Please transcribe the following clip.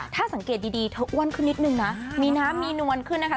ถ้าสังเกตดีเธออ้วนขึ้นนิดนึงนะมีน้ำมีนวลขึ้นนะคะ